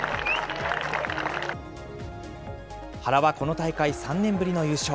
原はこの大会３年ぶりの優勝。